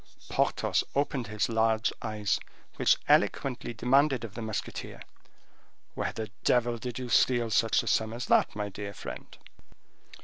Porthos opened his large eyes, which eloquently demanded of the musketeer, "Where the devil did you steal such a sum as that, my dear friend?"